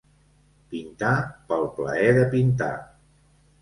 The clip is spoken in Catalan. Pintar pel plaer de pintar.